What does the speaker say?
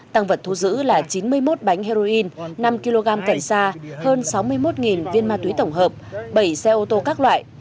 tăng vật thu giữ là chín mươi một bánh heroin năm kg cần xa hơn sáu mươi một viên ma túy tổng hợp bảy xe ô tô các loại